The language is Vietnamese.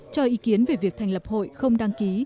cho ý kiến về việc thành lập hội không đăng ký